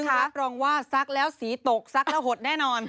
รับรองว่าซักแล้วสีตกซักแล้วหดแน่นอน